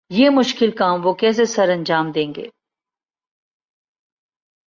یہ مشکل کام وہ کیسے سرانجام دیں گے؟